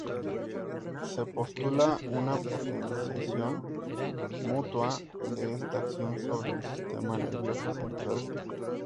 Se postula una potenciación mutua de esta acción sobre el sistema nervioso central.